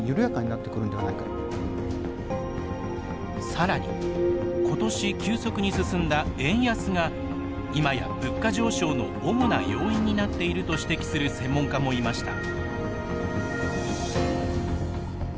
さらに今年急速に進んだ円安がいまや物価上昇の主な要因になっていると指摘する専門家もいました。